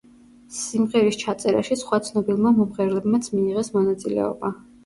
სიმღერის ჩაწერაში სხვა ცნობილმა მომღერლებმაც მიიღეს მონაწილეობა.